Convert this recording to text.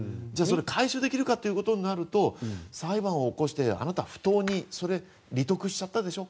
回収できるかということになると裁判を起こしてあなた、不当にそれ、利得しちゃったでしょ。